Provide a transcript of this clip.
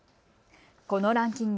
このランキング。